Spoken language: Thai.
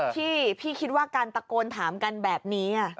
พี่คิดว่าการตะโกนถามกันแบบนี้